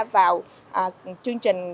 vào chương trình